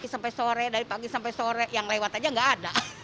sampai sore dari pagi sampai sore yang lewat aja nggak ada